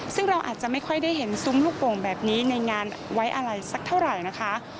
ซึ่งเราอาจจะไม่ค่อยได้เห็นซุ้มลูกโป่งแบบนี้ในงานไว้อะไรสักเท่าไหร่นะคะ